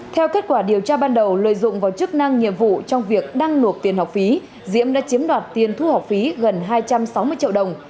theo kết quả điều tra ban đầu lợi dụng vào chức năng nhiệm vụ trong việc đăng nộp tiền học phí diễm đã chiếm đoạt tiền thu học phí gần hai trăm sáu mươi triệu đồng